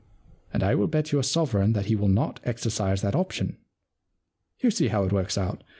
And I will bet you a sovereign that he will not exercise that option. You see how it works out.